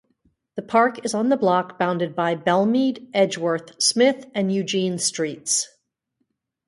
The park is on the block bounded by Bellemeade, Edgeworth, Smith, and Eugene Streets.